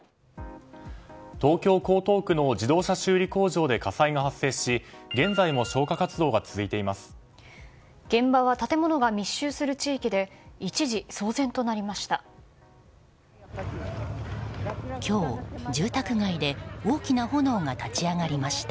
東京・江東区の自動車修理工場で火災が発生し現場は建物が密集する地域で一時騒然となりました。